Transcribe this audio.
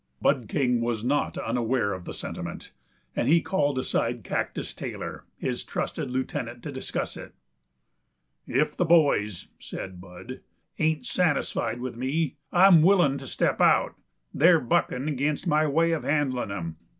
Bud King was not unaware of the sentiment, and he called aside Cactus Taylor, his trusted lieutenant, to discuss it. "If the boys," said Bud, "ain't satisfied with me, I'm willing to step out. They're buckin' against my way of handlin' 'em.